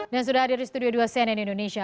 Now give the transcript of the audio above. dan sudah hadir di studio dua cnn indonesia